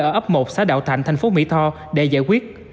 ở ấp một xã đạo thạnh thành phố mỹ tho để giải quyết